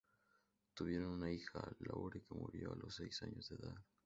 Tuvieron una hija, Laure, que murió a los seis años de edad.